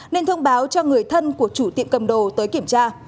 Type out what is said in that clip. nên thông báo cho người thân của chủ tiệm cầm đồ tới kiểm tra